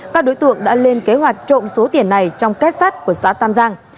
các đối tượng đã lên kế hoạch trộm số tiền này trong cách sát của xã tam giang